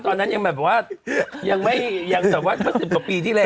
ตอนนั้นยังแบบว่ายังไม่ยังแต่ว่าเมื่อ๑๐กว่าปีที่แล้ว